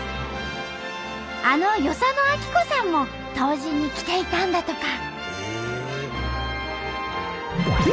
あの与謝野晶子さんも湯治に来ていたんだとか。